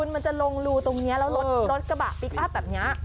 มันจะลงรูตรงนี้แล้วรถกระบะพลิกอัพแบบนี้